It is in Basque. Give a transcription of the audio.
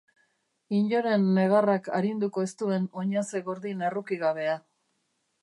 Inoren negarrak arinduko ez duen oinaze gordin errukigabea.